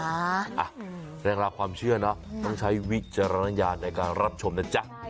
อ่ะเรื่องราวความเชื่อเนอะต้องใช้วิจารณญาณในการรับชมนะจ๊ะ